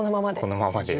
このままで。